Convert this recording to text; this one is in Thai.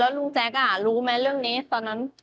ลุงแจ๊กรู้ไหมเรื่องนี้ตอนนั้น